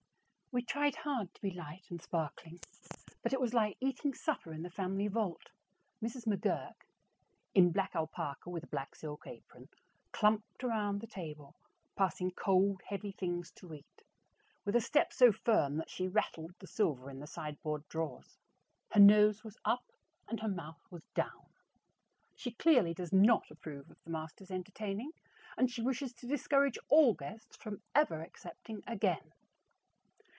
We tried hard to be light and sparkling, but it was like eating supper in the family vault. Mrs. McGurk, in black alpaca with a black silk apron, clumped around the table, passing cold, heavy things to eat, with a step so firm that she rattled the silver in the sideboard drawers. Her nose was up, and her mouth was down. She clearly does not approve of the master's entertaining, and she wishes to discourage all guests from ever accepting again.